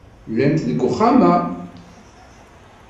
Llant deg uxxam-a.